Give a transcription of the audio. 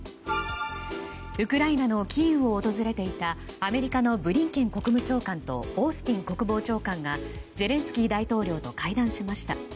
ウクライナのキーウを訪れていたアメリカのブリンケン国務長官とオースティン国防長官がゼレンスキー大統領と会談しました。